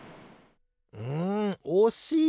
うんおしい！